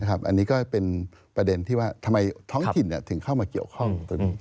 อันนี้ก็เป็นประเด็นที่ว่าทำไมท้องถิ่นถึงเข้ามาเกี่ยวข้อง